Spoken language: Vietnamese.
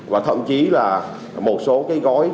và thậm chí là một số cái gói